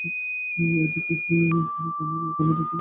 এদিনই কোমল কুমারী তার দুটি চোখ দেবীকে অঞ্জলি দেওয়ার সিদ্ধান্ত নেয়।